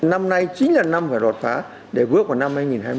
năm nay chính là năm phải đột phá để bước vào năm hai nghìn hai mươi